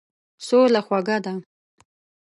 سوله خوږه ده.